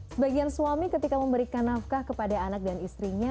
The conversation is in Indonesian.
sebagian suami ketika memberikan nafkah kepada anak dan istrinya